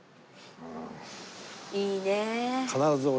いいねえ。